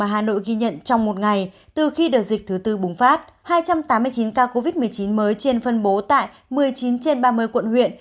hà nội ghi nhận trong một ngày từ khi đợt dịch thứ tư bùng phát hai trăm tám mươi chín ca covid một mươi chín mới trên phân bố tại một mươi chín trên ba mươi quận huyện